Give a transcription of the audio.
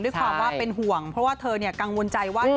ด้วยความว่าเป็นห่วงเพราะว่าเธอกังวลใจว่า